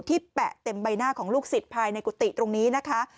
แปะเต็มใบหน้าของลูกศิษย์ภายในกุฏิตรงนี้นะคะ